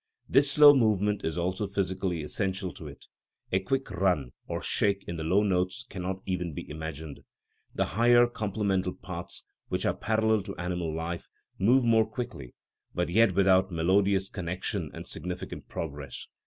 This slow movement is also physically essential to it; a quick run or shake in the low notes cannot even be imagined. The higher complemental parts, which are parallel to animal life, move more quickly, but yet without melodious connection and significant progress.